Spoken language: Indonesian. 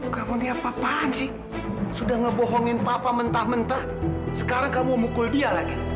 kamu diapa apaan sih sudah ngebohongin papa mentah mentah sekarang kamu mukul dia lagi